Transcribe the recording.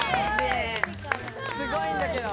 すごいんだけど。